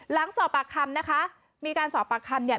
หลังสอบปากคำนะคะมีการสอบปากคำเนี่ย